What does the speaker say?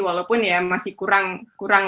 walaupun masih kurang